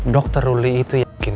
dokter ruli itu yakin